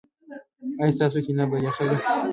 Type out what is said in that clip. ایا ستاسو کینه به یخه وي؟